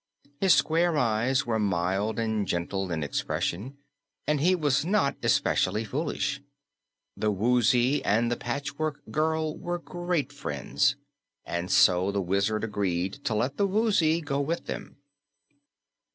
His square eyes were mild and gentle in expression, and he was not especially foolish. The Woozy and the Patchwork Girl were great friends, and so the Wizard agreed to let the Woozy go with them.